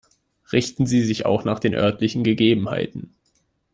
Richten Sie sich auch nach den örtlichen Gegebenheiten.